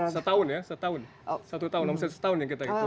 setahun ya setahun satu tahun omset setahun yang kita hitung